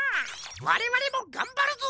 われわれもがんばるぞ！